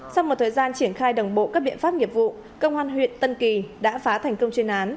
sau một thời gian triển khai đồng bộ các biện pháp nghiệp vụ công an huyện tân kỳ đã phá thành công chuyên án